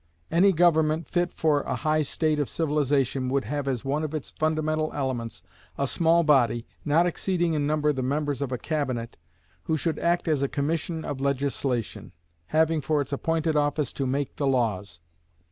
Any government fit for a high state of civilization would have as one of its fundamental elements a small body, not exceeding in number the members of a cabinet, who should act as a Commission of Legislation, having for its appointed office to make the laws.